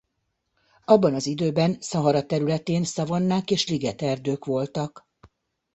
Abban az időben Szahara területén szavannák és ligeterdők voltak.